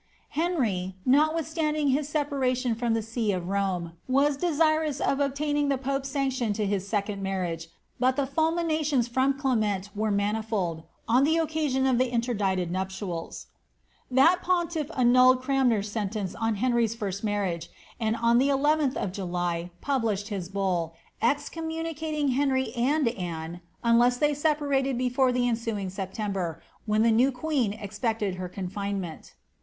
Henry, notwithstanding his separation from the see of Rome, was desirous of obtaining the pope's sanction to his second marriage,' but the fulminations from Clement were manifold, on the occasion of the inter dicted nuptials. That pontiff annulled Cranmer's sentence on Henry's first marrii^ and on the 11th of July published his bull, excommuni cating Henry and Anne, unless they separated before the ensuing Septem ber, when the new queen expected her confinement.